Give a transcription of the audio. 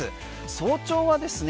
早朝はですね